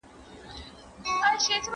څلورمه نکته.